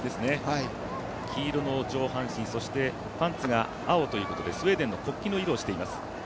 黄色の上半身、そしてパンツが青、スウェーデンの国旗の色をしています。